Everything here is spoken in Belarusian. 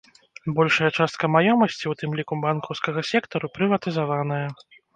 Большая частка маёмасці, у тым ліку, банкаўскага сектару, прыватызаваная.